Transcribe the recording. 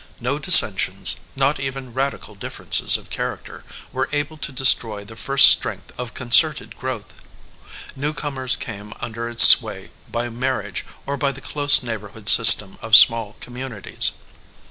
No dissensions, not even radical dif ferences of character, were able to destroy the first strength of concerted growth. New comers came under its sway, by marriage, or by the close neigh borhood system of small communities.